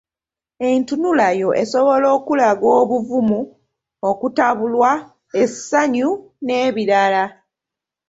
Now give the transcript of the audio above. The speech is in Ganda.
Entunulayo esobola okulaga obuvumu ,okutabulwa, essanyu n’ebirala.